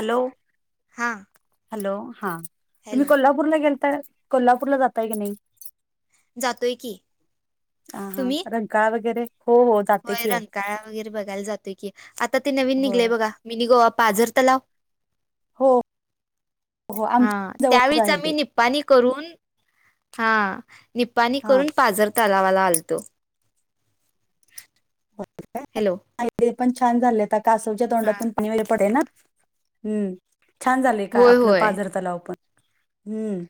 Hello हा hello, हा तुम्ही हॅलो कोल्हापूरला गेलता, कोल्हापूरला जाताय का नई. जातोय की आ हा तुम्ही रंकाळा वगैरे हो हो जाते होय की हो रंकाळा वगैरे बघायला जातोय की आता ते नवीन निघलय होय बघा मिनी गोवा पाझर तलाव हो हो हा आमच्या जवळच त्यावेळचा आहे मी ते नीपाणी करुन हा निपाणी हां करून पाजर तलावाला आलतो. हॅलो [unintelligible] पण छान झाले कासवच्या हा तोंडातून पाणी वगैरे पडे ना [unintelligible] हूं छान झालेय काय होय आपलं होय पाजर तलाव पण हूं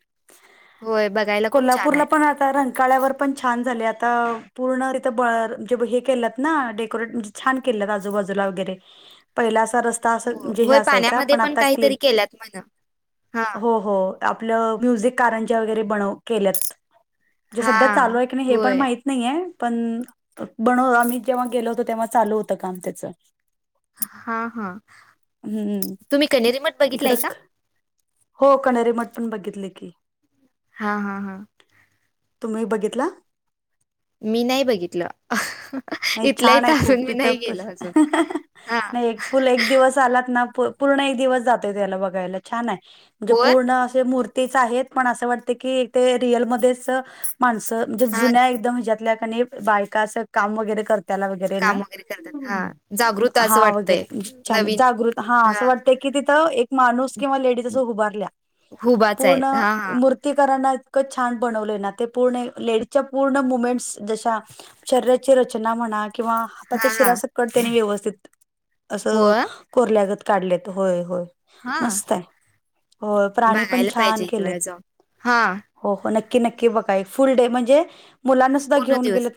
होय बघायला खूप छान आहे कोल्हापूरला पण आता रं काळ्यावर पण छान झाले आता पूर्ण तिथं ब जे हे केल्यात हा डेकोरेत म्हणजे छान केलेत आजूबाजूला वैगरे पाहिलं अस रस्ता अस हो म्हजे हे होय असायचा पाण्यामध्ये पण आता क्लीन काहीतरी केल्यात म्हण हा हो हो. आपलं म्युझिक कारंज्या वगैरे बनव केल्यात म्हणजे हा सध्या चालू आहे की नाही हे पण होय माहित नाहीये पण बनव आम्ही जेव्हा गेलो होतो तेव्हा चालू होतं काम त्याचं हा हा हम्म. तुम्ही कनेरी मठ इकडं बघितलाय का? हो कनेरीे मठ पण बघितले की, हा हा हा तुम्ही बघितला मी नाही बघितलं नाही इथल्या छान आहे इथं खूप अजून मी तिथं नाही प गेलो अजून हा नाही एक फुल एक दिवस आलात ना पूर्ण एक दिवस जातोय त्याला बघायला छान हाय म्हणजे होय पूर्ण असे मूर् तेच आहेत पण असं वाटत की ते रिअल मध्येच माणस म्हणजे हा जुन्या एकदम ह्याच्यात तिथल्या कणय बायका अस काम वगैरे कर व काम वगैरे करतात हा जागृत ह असं वरे वाटतंय नवीन हा छ [unintelligible] तिथं एक माणूस किंवा लेडी अस उभारल्या हुबाच पूर्ण आहेत हा हा मूर्तीकरां इतकं छान बनवलं र्लेडीच्या पूर्ण मुमेंट जश शरी रचना म्हणा किंवा हा हाताच्या हा शिरा सकट त्यां व्यवस्थित हो असं कोरल्यागत काढलेत होय-होय हा मस्तय हो प्राणी पण बघायला पाहिजे छान केले इकडे जाऊन हा हो हो न म्हणे [unintelligible] पूर्ण दिवस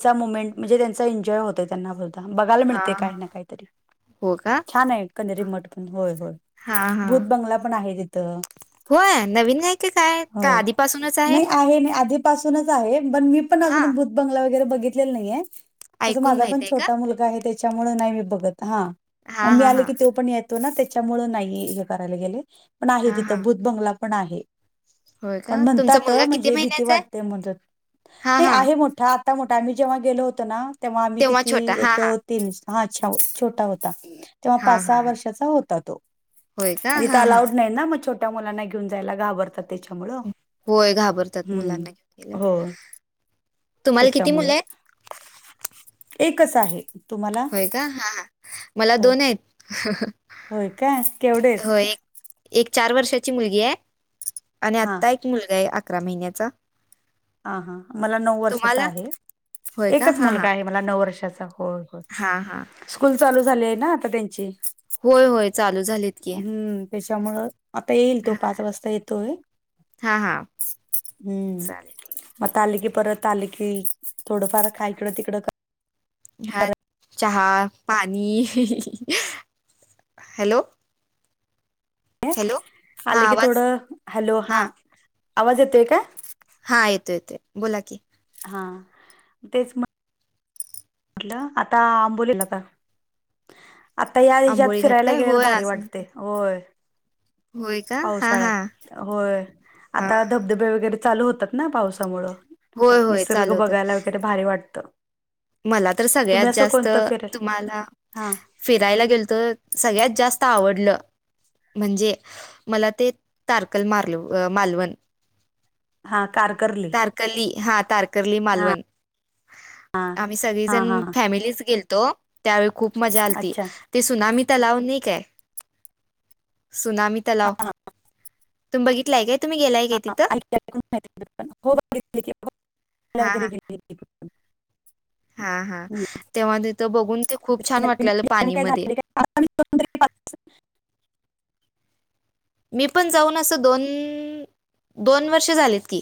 त्यांमेंट म्हणजे त्यां एन्जॉय होत त्यांनाद्ा बघायला हा मिळते का हा ना काहीतरी [unintelligible] हो का छान आहे कानेरी मट पण होय होय हा हा भूत बंगला पण आहे. तिथं होय नवीन आहे की काय का आधीपासूनच आहे. पासूनच आहे पण मी पण हा अजून भूत बंगला वगैरे बघितलेला नाहीये तसं ऐकून माझा पण माहित आहे का छोटा मुलगा आहे त्याच्यामुळे नाही मी बघत हा हा मग मी हा आले हा की तो पण येत तो ना त्याच्यामुळे नाही हे करायला गेले पण आहे हा हा तिथं भुत बंगला पण आहे. होय पण का तुमचा म्हणतात मुलगा किती म्हणजे भीती महिन्याचा आहे वाटते म्हणून हा नाही हा आहे मोठा आ आम्ही जेव्हा गेलो होतो ना तेव्हा आम्ही किती छोटा हा एक हा तीन हा छा छोटा होता. तेव्हा हा पाच हा सहा हा. वर्षाचा होता तो होय का आणि तिथ हा हा अलाऊड नाही ना मगं छट मोट्या मुलांना घेऊन जायला घाबरतात त्याच्यामुळं. होय घाबरतात मुलांना घेऊन हम्म गेल्यावर. [inaudible] तुम्हाला किती? मुलं आहे एक आहे. तुम्हाला होय का हा मला हो दोन आहेत. होय का केवढे आहेत? हो, एक एक चार वर्षाची मुलगी आहे आणि हा आत्ता एक मुलगा आहे अकरा महिन्याचा. हा हा मला नऊ वर्षाचा तुम्हाला? आहे होय का? एकच हां, मुलगा हां. आहे मला नऊ वर्षाचा. हो हो हां, हां. स्कूल चालू झालेली आहे ना आता त्यांची. होय, होय. चालू झालेत की. हम्म त्याच्यामुंळ. आता येईल तो पाच हां. वाजता येतोयं. हां, हां. हम्म. चालेल. मगं आता आली की परत आली की थोडंफार खा इकडं तिकडं- हा चहा पाणी. हॅलो. हॅलो. हां, आले की आवाज थोडं. हॅलो, हा आवाज येतोय का? हा येतो येतो बोला की. हा तेच मगं. म्हटलं आता आंबोलेला का? आता या दिवसात आंबोळी घाट फिरायला काय? गेलेला होय, भारी असं वाटते म्हणतात. होय. होय का? हां, हां. पावसाळ्यात होय हां, आता हां. धबधबे वगैरे चालू होतात ना पावसामुळं. होय, होय. निसर्ग चालवतात. बघायला वगैरे भारी वाटतं मला तर सगळ्यात तुम्ही असं जास्त कोणतं फिरेल तुम्हाला हा फिरायला गेल तर सगळ्यात जास्त आवड- म्हणजे मला ते तारकल म मालवण. हा. कारकर्ली तारकली हा तारक. कली हा मालवण आम्ही हा हा सगळीजण फॅमिलीच गेलतो. त्यावेळी खूप मजा आलती. अच्छा ते त्सुनामी तलाव नाही काय? सुनामी तलाव हा तुम्ही बघितलं आहे काय? तुम्ही गेलाय काय तिथं [inaudible] हा हा [inaudible] हा हा हम्म. तेव्हा तिथं बघून ते खूप त्याच्या छान नवीन वाटलेलं ठिकाणी पाणी काय मध्ये. झाले काय आता मी दोन तरी [inaudible] मी पण जाऊन असं दोन वर्ष झालेत की.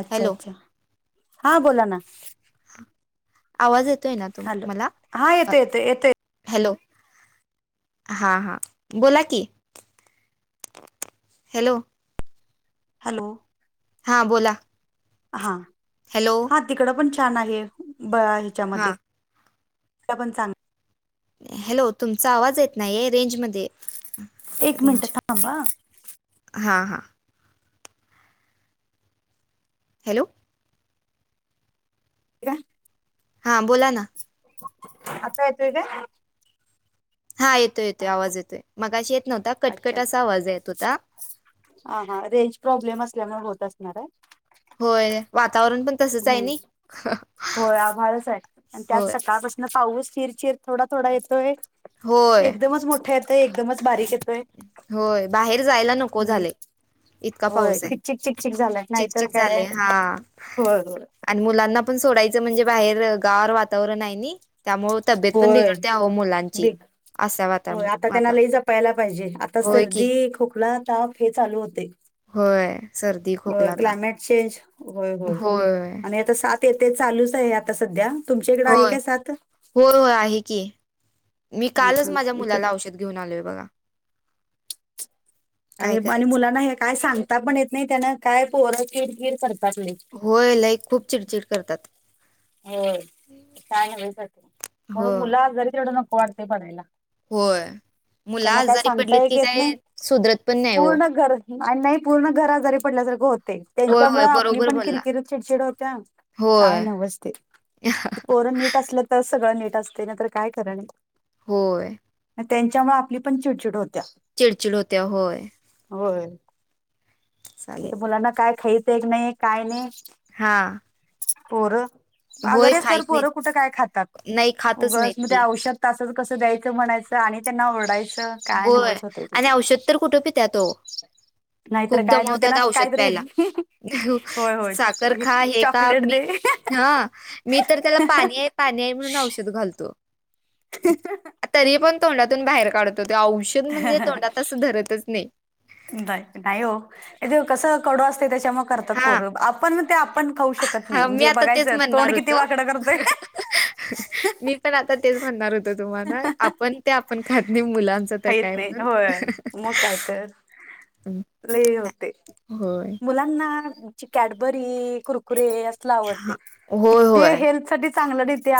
अच्छा हॅलो अच्छा, हा बोला ना. आवाज येतोय ना तु हॅलो मला हा येतो येतो येतोय हॅलो. हा हा, बोला कि. हॅलो? हॅलो? हां बोला. हा हॅलो हा तिकडं पण छान आहे ब हां ह्याच्यामध्ये- त्या पण चांग- हॅलो तुमचा आवाज येत नाहीय. रेंजमध्ये एक मिनिट रेंज थांबा हां हां. हॅलो? [inaudible] हां बोला ना. आता येतोय काय? हा येतो येतोय, आवाज येतोय, मगाशी येत नव्हता, अच्छा कटकट असा आवाज येत होता. हा हा रेंज प्रॉब्लेम असल्यामुळे होत असणार आहे. होय वातावरण पण तसंच आहे हम्म, नाही होय आभळच आहे आणि त्यात होय सकाळपासून पाऊस चिर-चिर, थोडा-थोडा येतोय होय एकदमच मोठा येत एकदमच बारीक येतोय, होय बाहेर जायला नको हम्म. झालंय इतका होय, पाऊस आहे चिकचक झालाय नाहीतर चिकचिक झाले काय- हा होय होय आणि मुलांना पण सोडायचं म्हणजे बाहेर गार वातावरण हाय नाही. त्यामुळे तब्येत पण होय बिघडत्या, आवं मुलांची असा वातावरण वातावरण यला पाहिजे आता होय सर्दी की खोकला ताप हे चालू होतय. होय. सर्दी होय, खोकला ताप क्लायमेट चेंज होय, होय आणि आता सात ते, ते चालूच आहे आता सध्या तुमच्या इकडे आहे होय, काय साथ होय, होय आहे की. मी हा कालच हा माझ्या इकड मुलाला औषध घेऊन आलोय बघा. काय का आणि करायचं मुलांना हे काय सांगता पण येत नाही, त्यान काय पोर किरकिर- करतात लई होय लय खूप चिडचिड करतात. होय, काय न्हवच झालं, हो म्हणून मुलं आजारी तेवढं नको वाटते पडायला. होय मुलं त्यांना काय आजारी सांगता पडलीत एक की, येत काय नाही सुधरत पण नाही हो. पूर्ण घर आणि नाही पूर्ण घरा आजारी पडल्यासारखं होत- होय त्यांच्यामुळे होय आपली बरोबर पण बोलला किरकिर, चिडचीड होत्या काय होय न्हवच पोरं नीट असलं तर सगळं नीट असतय, नाहीतर काय खरं नाही. होय. त्यांच्यामुळे आपली पण चिडचिड होती. चिडचिड होत्या होय. चालेल म्हण मुलांना काय खळत एक नाही काय [unintelligible] नाही हा. पोरं होय अगरे तर खात पोरं नाहीत कुठं काय खातात, नाही खातच नाहीत उगच की औषध कस द्यायचं म्हणायचं आणि त्यांना ओडायचं होय आणि औषध तर कुठे पित्यात ओ. नाहीतर खूप काय नाही दमवतात त्यांना औषध काहीतरी प्यायला. होय साखर होय खा हे खा, चॉकलेट मी दे हा- मी तर त्याला पाणी आहे, पाणी आहे, म्हणून औषध घालतो. हह तरी [unintelligible] पण तोंडातून बाहेर काढत होते औषध म्हणजे तोंडात तसं धरतच नाही. नाही हो जे कस कडू असते, त्याच्या मग करतात हा पोरं, आपण मग ते पण खाऊ शकत नाही, हा मी म्हणजे आता तेच बघायचं तोंड म्हणणार किती होतो. वाकडं करतय. मी पण आता तेच म्हणणार होत तुम्हाला, आपण ते आपण खात नाही मुलांच तर खाईत काय नाही म्हणून होय मग काय तर हं, नाही. होते होय मुलांना कॅडबरी कु हे असलं हा आवडतंय होय जे होय हेल्थ साठी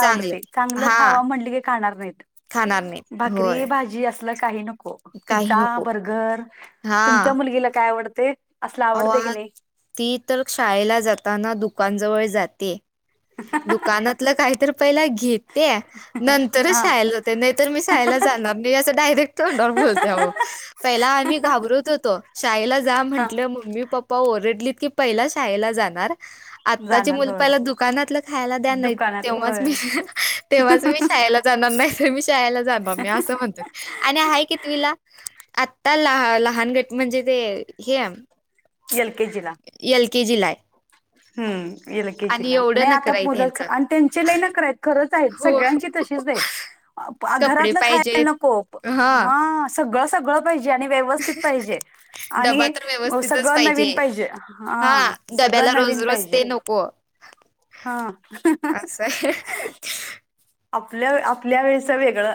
चांगलं हा खावा म्हंटलं की खा नाहीत खाणार नाही भाखरी होय भाजी असलं खाणार काही नको काही पिझ्झा नको बर्गर हा तुमच्या मुलगीला काय आवडते असलं आवडते की अवा नाही ती तर शाळेला जाताना दुकान जवळ जाते दुकानातलं काहीतर पहिला घेते नंतरच हा शाळेला जाते नाहीतर मी शाळेला जाणार नाही असं डायरेक्ट तोंडावर बत पला आम्ही घाबरत होतो शाळेला हा आपल्या मम्मी पप्पा ओरडलीत की पहिला शाळेला जाणार आताची जाणार मुल होय पला दुकानात खायला द्या नाही दुकानात तेव्हाच होय मी तेव्हाच मी शा ला जाणार नाही मी शाला जाणार मी अस म्हणतो आणि आहे की तला आ लहान गट म्हणजे ते हे एल केजी ला एल केजी लाय हम्म एल के जी ला एवढं नाही नखरं आहे त्यांचं. आता चले नखरे आहेत हो. खरंच [unintelligible] कपडे घरातलं खायला पाहिजेत नको हां. हा सगळं सगळं पाहिजे व्यवथजे डबा आणि तर सग व्यवस्थितच नन पाहिजे हा स डब्याला नन रोज [unintelligible] रोज ते पाहिजेत नको हा असं आपल्या आपल्या वेळेचं वेगळं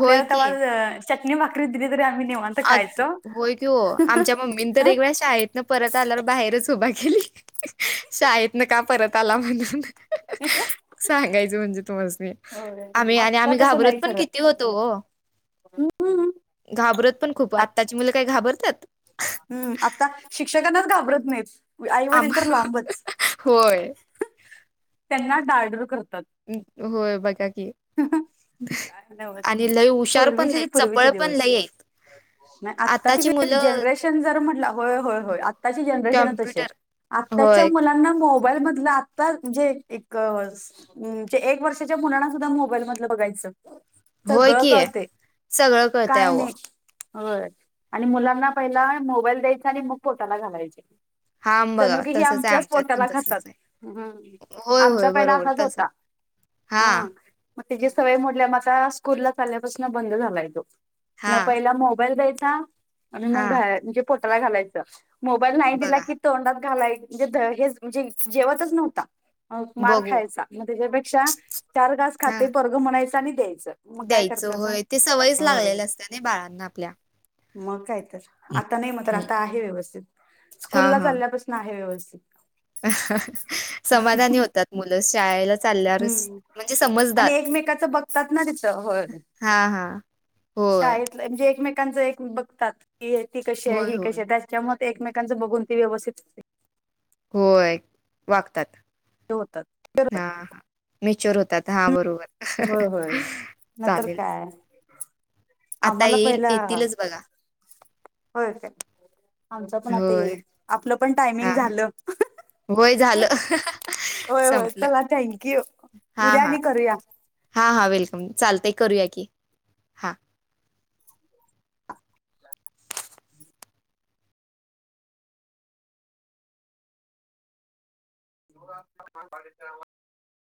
होय की. तेव्हा चटणी भाकरी दिली तरी आम्ही निवांत आ खायचो. होय त हो आमच्या मम्मीनी तर एकळ्या शाळेतन परत आल्यावर बाहेरच उभा के ली शाळेत ना का परत आला म्हणून सांगायचं म्हणजे तुम्हाला होय आम्ही आणि आत्ता आम्ही तसं घाबरत नाही पण खरं. किती होतो हो हम्म घाबरत पण खूप आत्ताची मुलं काही घाबरतात हम्म आता शिक्षकांनाच घाबरत नाहीच आम आईवडील तर लांबच होय. त्यांना डर डर करतो होय बघा कि काय नव्हच आणि लय हुशार पण लईत चपळ पण लय आहेत म आत्ताची आताची मुलं जनरेशन जर म्हटलं होय होय होय आत्ताची जनरेशन तशी आहे कॉम्प्युटर आत्ताच्या होय मुलांना मोबाईलमधलं आत्ता म्हणजे एकजे एक वर्षाच्या मुलांना सुद्धा मोबाईल मधलं बघायचं होय सगळं की कळतंय सगळं कळतंय काय अहो. नाही होय आधी मुलांना पहिला मोबाईल द्यायचा आणि मग पोटाला घालायचे हा बघा जणू की हे तसंच आहे आमच्याच आमच्यात पण पोटाला खातात तसंच आहे होय आमचा होय पहिला बरोबर असाच तस होता हा मग त्याची सवय म्हडल्या मग आता स्कूलला चालल्यापासून बंद झालाय तो हा ना पहिला मोबाईल द्याय हा णोट घालायच मोबाल नाही दिला बघा की तोंडात घाला [unintelligible] म्हणजे हे म्हणजे जेवतच नव्हता अ मार बघू खायचा मग त्याच्यापेक्षा चार घास हा खाते पोरग म्हणायचा आणि द्यायच द्यायचं होय ते सवयच लागलेलं असत नाही बाळांना आपल्या मग काय तर आता नाही मग तर आता आहे व्यवस्थित स्कूलला चालल्यापासून आहे व्यवस्थित समाधान शा चाल्या हम्म. म्हणजे सम [inaudible] आणि एकमेकाचं बघतात हा हा होय शाळेत म्हणजे एकमेकांच एक बघतात की ती कशी आहे होय ही होय कशी त्याच्या म एकमेकांचं बघून ती व्यवस्थित करते होय वागतात हे होतात करतात. हा मॅच्युअर होतात हा बरोबर होय होय नंतर चालेल काय आता आम्हाला येईल पहिला येतीलच बघा होय काय आमच पण आता होय येईल आपलं पण हा टायमिंग झालं होय झालं होय होय संपलं चला थँक्यू हा उद्या हा आणि करूया. हा हा वेलकम चाल करूया की हा द [inaudible]